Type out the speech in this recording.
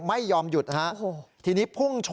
ไม่ยอมหยุดครับโอ้โห